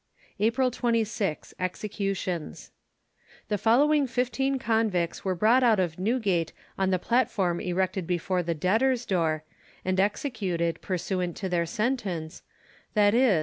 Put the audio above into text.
APRIL 26. EXECUTIONS. The following 15 convicts were brought out of Newgate on the platform erected before the Debtor's door, and executed pursuant to their sentence, viz.